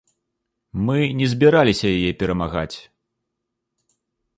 Мы не збіраліся яе перамагаць.